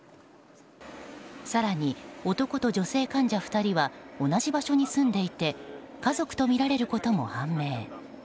更に男と女性患者２人は同じ場所に住んでいて家族とみられることも判明。